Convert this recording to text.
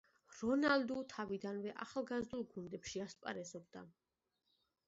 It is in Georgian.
რონალდუ თავიდანვე ახალგაზრდულ გუნდებში ასპარეზობდა.